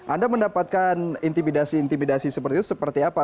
anda mendapatkan intimidasi intimidasi seperti itu seperti apa